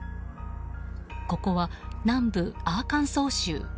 ここは南部アーカンソー州。